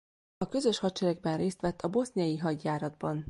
A közös hadseregben részt vett a boszniai hadjáratban.